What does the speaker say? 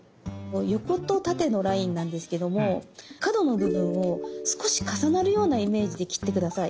横と縦のラインなんですけども角の部分を少し重なるようなイメージで切って下さい。